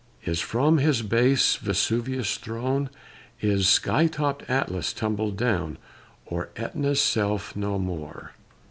Is from his base Vesuvius thrown, Is sky topt Atlas tumbled down, Or Etna's self no more!